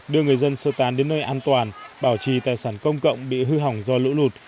đưa người dân sơ tán đến nơi an toàn bảo trì tài sản công cộng bị hư hỏng do lũ lụt